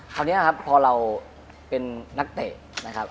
คราวนี้นะครับพอเราเป็นนักเตะนะครับ